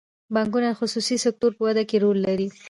بانکونه د خصوصي سکتور په وده کې رول لري.